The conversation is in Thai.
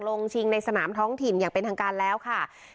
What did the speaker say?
ชิงในสนามท้องถิ่นอย่างเป็นทางการแล้วค่ะ